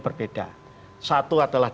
berbeda satu adalah